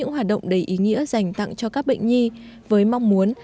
hoạt động đầy ý nghĩa dành tặng cho các bệnh nhi với mong muốn